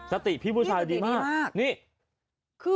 สติพี่ผู้ชายดีมาก